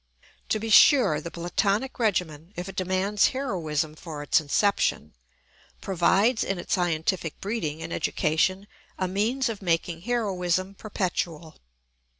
To be sure, the Platonic regimen, if it demands heroism for its inception, provides in its scientific breeding and education a means of making heroism perpetual.